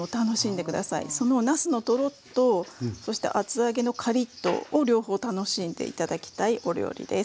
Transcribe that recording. そのなすのトロッとそして厚揚げのカリッとを両方楽しんで頂きたいお料理です。